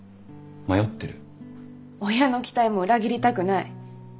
親の期待も裏切りたくない。